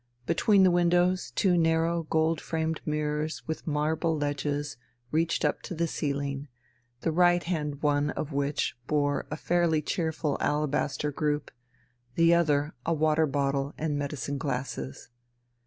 Between the windows two narrow gold framed mirrors with marble ledges reached up to the ceiling, the right hand one of which bore a fairly cheerful alabaster group, the other a water bottle and medicine glasses.